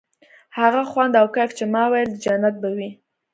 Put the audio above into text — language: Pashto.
هغه خوند او کيف چې ما ويل د جنت به وي.